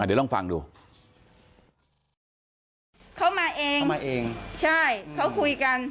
เดี๋ยวลองฟังดูเขามาเองเขามาเองใช่เขาคุยกัน